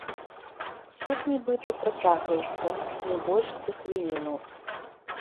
Суд, нібыта, працягваецца не больш за хвіліну.